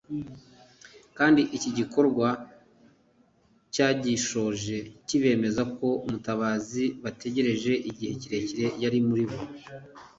kandi iki gikorwa cyagishoje kibemeza ko Umutabazi bategereje igihe kirekire yari muri bo.